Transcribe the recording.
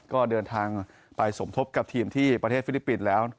ก็เดินทางไปสมทบกับทีมที่ประเทศฟิลิปปินส์แล้ว